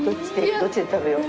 どっちで食べよう？